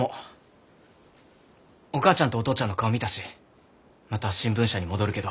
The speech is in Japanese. お母ちゃんとお父ちゃんの顔見たしまた新聞社に戻るけど。